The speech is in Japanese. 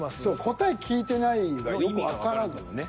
「答え聞いてない」がよくわからんのよね。